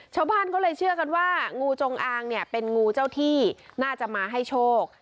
ชาวบ้านเขาเลยเชื่อกันว่างูจงอางเนี่ยเป็นงูเจ้าที่น่าจะมาให้โชค